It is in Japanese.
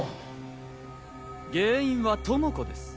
原因は知子です。